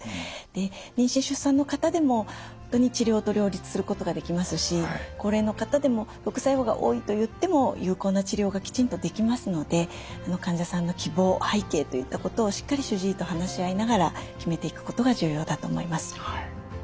で妊娠・出産の方でも本当に治療と両立することができますし高齢の方でも副作用が多いといっても有効な治療がきちんとできますので患者さんの希望背景といったことをしっかり主治医と話し合いながら決めていくことが重要だと思います。